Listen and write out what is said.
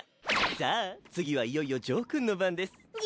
さぁ次はいよいよジョーくんの番です。